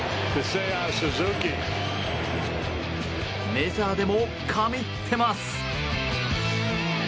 メジャーでも神ってます。